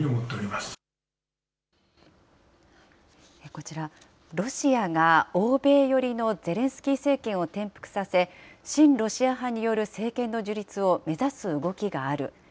こちら、ロシアが欧米寄りのゼレンスキー政権を転覆させ、親ロシア派による政権の樹立を目指す動きがある。